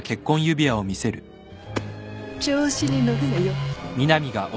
調子に乗るなよ。